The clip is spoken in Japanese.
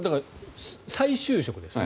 再就職ですよね。